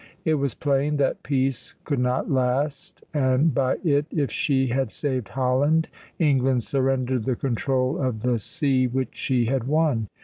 It was plain that peace could not last; and by it, if she had saved Holland, England surrendered the control of the sea which she had won.